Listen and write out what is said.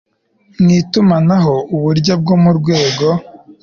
mu itumanaho uburyo bwo mu rwego